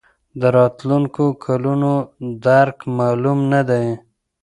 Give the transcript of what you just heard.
د راتلونکو کلونو درک معلوم نه دی.